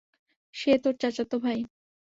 সে তোর চাচাতো ভাই।